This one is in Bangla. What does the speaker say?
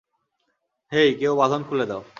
হেই, কেউ বাধন খুলে দাও!